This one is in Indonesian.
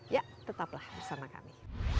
ya tetaplah bersama kami